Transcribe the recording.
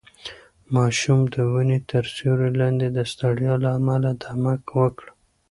ماشوم د ونې تر سیوري لاندې د ستړیا له امله دمه وکړه.